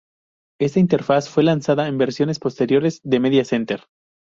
Esta interfaz fue lanzada en versiones posteriores de Media Center.